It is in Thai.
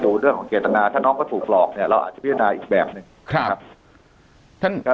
เรื่องของเจตนาถ้าน้องเขาถูกหลอกเนี่ยเราอาจจะพิจารณาอีกแบบหนึ่งนะครับ